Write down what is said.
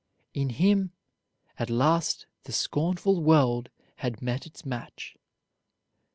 In him "at last the scornful world had met its match."